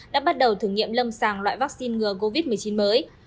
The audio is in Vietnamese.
đã bắt đầu thử nghiệm lâm sàng loại vaccine ngừa covid một mươi chín mới